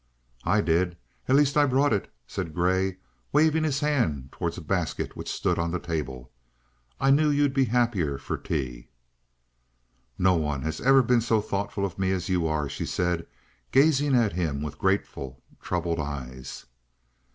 "I did. At least I brought it," said Grey, waving his hand towards a basket which stood on the table. "I knew you'd be happier for tea." "No one has ever been so thoughtful of me as you are," she said, gazing at him with grateful, troubled eyes.